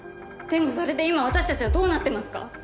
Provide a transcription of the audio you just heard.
でもそれで今私たちはどうなってますか？